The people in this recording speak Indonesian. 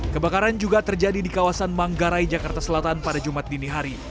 kebakaran juga terjadi di kawasan manggarai jakarta selatan pada jumat dini hari